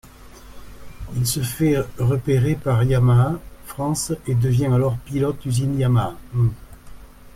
Il se fait repérer par Yamaha France et devient alors pilote usine Yamaha.